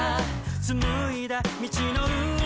「紡いだ道の上に」